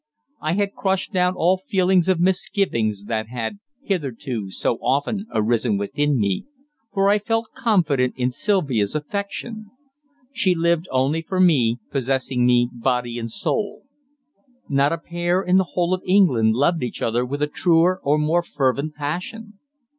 I had crushed down all feelings of misgivings that had hitherto so often arisen within me, for I felt confident in Sylvia's affection. She lived only for me, possessing me body and soul. Not a pair in the whole of England loved each other with a truer or more fervent passion.